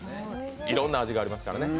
いろいろな味がありますからね。